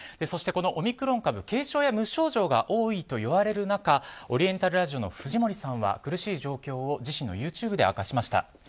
そして、このオミクロン株軽症や無症状が多いといわれる中オリエンタルラジオの藤森さんは苦しい状況を自身のＹｏｕＴｕｂｅで明かしました。